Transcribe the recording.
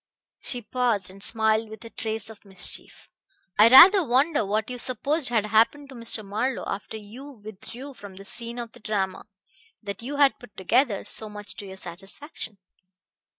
She paused and smiled with a trace of mischief. "I rather wonder what you supposed had happened to Mr. Marlowe, after you withdrew from the scene of the drama that you had put together so much to your satisfaction."